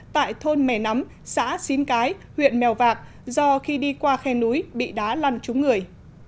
tại thôn mẻ nắm xã xín cái huyện mèo vạc do khi đi qua khe núi bị đá lăn trúng người